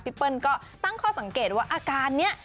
เปิ้ลก็ตั้งข้อสังเกตว่าอาการนี้